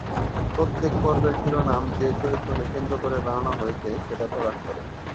প্রত্যেক পর্বের শিরোনাম যে চরিত্রকে কেন্দ্র করে বানানো হয়েছে, সেটা প্রকাশ করে।